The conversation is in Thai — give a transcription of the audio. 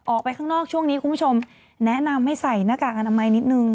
ออกไปข้างนอกช่วงนี้คุณผู้ชมแนะนำให้ใส่หน้ากากอนามัยนิดนึง